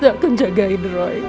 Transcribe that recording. tante akan jagain roy